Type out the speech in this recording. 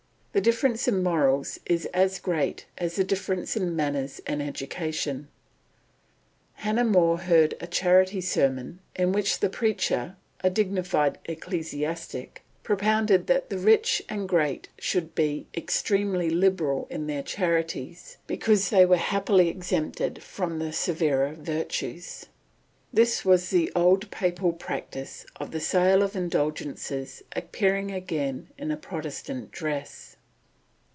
The difference in morals is as great as the difference in manners and education. Hannah More heard a charity sermon, in which the preacher, a dignified ecclesiastic, propounded that "the rich and great should be extremely liberal in their charities, because they were happily exempted from the severer virtues." This was the old Papal practice of the sale of indulgences appearing again in a Protestant dress.